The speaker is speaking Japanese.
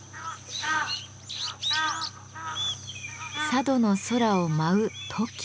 佐渡の空を舞うトキ。